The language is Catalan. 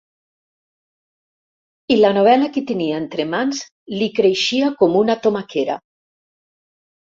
I la novel·la que tenia entre mans li creixia com una tomaquera.